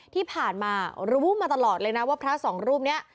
ที่ผ่านมารู้มาตลอดเลยนะว่าพระสองรูปนี้